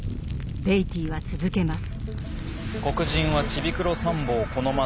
ベイティーは続けます。